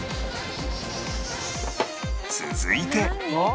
続いて